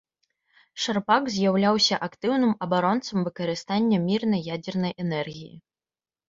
Шарпак з'яўляўся актыўным абаронцам выкарыстання мірнай ядзернай энергіі.